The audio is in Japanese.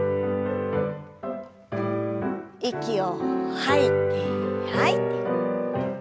息を吐いて吐いて。